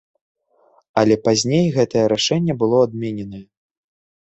Але пазней гэтае рашэнне было адмененае.